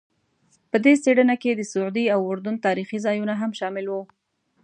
په دې څېړنه کې د سعودي او اردن تاریخي ځایونه هم شامل وو.